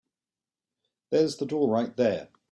There's the door right there.